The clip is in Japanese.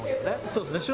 そうですね